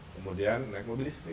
kemudian naik mobilistik